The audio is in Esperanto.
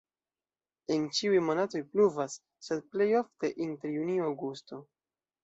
En ĉiuj monatoj pluvas, sed plej ofte inter junio-aŭgusto.